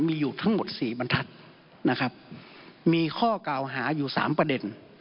มีอยู่ทั้งหมดสี่บรรทัศน์นะครับมีข้อกล่าวหาอยู่สามประเด็น